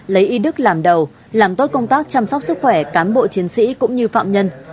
lấy y đức làm đầu làm tốt công tác chăm sóc sức khỏe cán bộ chiến sĩ cũng như phạm nhân